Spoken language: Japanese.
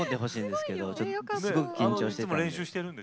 すごく緊張してるんで。